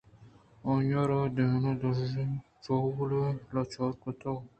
آئیءَرا دان درٛشیءَچوغلامےءَلاچارکُتگ